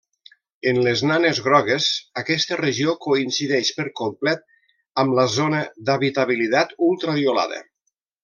En les nanes grogues, aquesta regió coincideix per complet amb la zona d'habitabilitat ultraviolada.